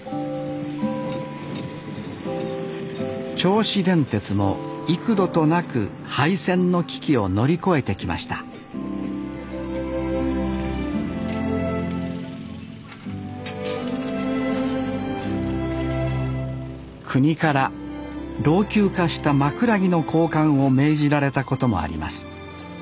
銚子電鉄も幾度となく廃線の危機を乗り越えてきました国から老朽化した枕木の交換を命じられたこともあります。